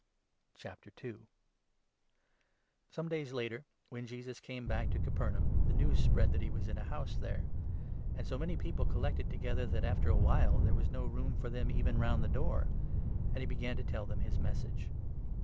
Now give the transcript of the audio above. Cure of Some days later, when Jesus came back to i a paralyzed Capernaum, the news spread that he was in a Man. house there ; and so many people collected 2 together, that after a while there was no room for them even round the door ; and he began to tell them his Message.